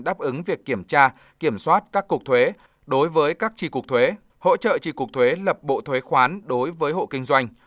đáp ứng việc kiểm tra kiểm soát các cục thuế đối với các tri cục thuế hỗ trợ tri cục thuế lập bộ thuế khoán đối với hộ kinh doanh